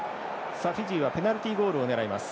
フィジーはペナルティゴールを狙います。